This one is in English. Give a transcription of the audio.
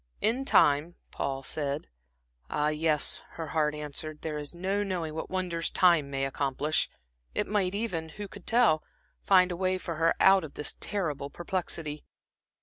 "In time," Paul said. Ah, yes, her heart answered, there is no knowing what wonders time may accomplish. It might even who could tell? find a way for her out of this terrible perplexity.